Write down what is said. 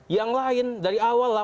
yang lain dari awal